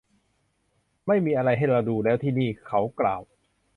ไม่มีอะไรให้เราดูแล้วที่นี่ เขากล่าว